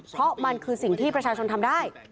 เพราะมันคือสิ่งที่ประชาชนทำได้